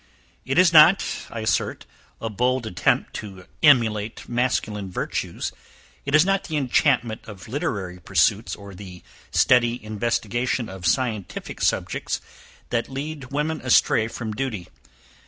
It is not, I assert, a bold attempt to emulate masculine virtues; it is not the enchantment of literary pursuits, or the steady investigation of scientific subjects, that lead women astray from duty.